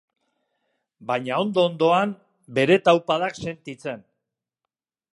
Baina ondo-ondoan, bere taupadak sentitzen.